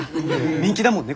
人気だもんね